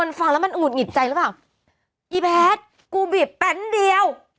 มันฟังแล้วมันหุดหงิดใจหรือเปล่าอีแพทย์กูบีบแป๊บเดียว